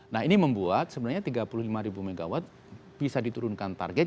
nah ini membuat sebenarnya tiga puluh lima ribu megawatt bisa diturunkan target